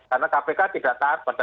karena kpk tidak taat pada